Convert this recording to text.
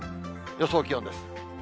予想気温です。